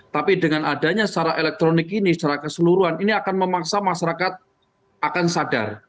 tapi dengan adanya secara elektronik ini secara keseluruhan ini akan memaksa masyarakat akan sadar